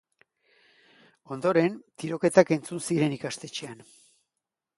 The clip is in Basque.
Ondoren, tiroketak entzun ziren ikastetxean.